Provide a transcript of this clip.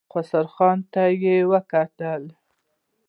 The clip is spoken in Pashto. خسرو خان ته يې وکتل.